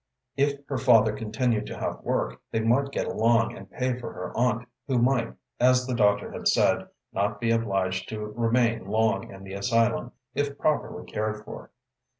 If her father continued to have work, they might get along and pay for her aunt, who might, as the doctor had said, not be obliged to remain long in the asylum if properly cared for.